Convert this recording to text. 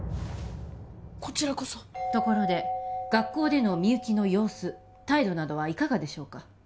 こちらこそところで学校でのみゆきの様子態度などはいかがでしょうか？